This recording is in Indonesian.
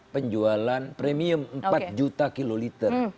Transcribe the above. penjualan premium empat juta kiloliter